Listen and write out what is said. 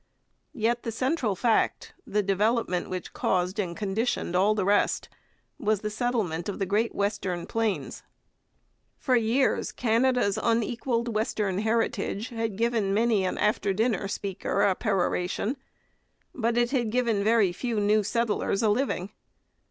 Yet the central fact, the development which caused and conditioned all the rest, was the settlement of the great western plains. For years 'Canada's unequalled western heritage' had given many an after dinner speaker a peroration, but it had given very few new settlers a living.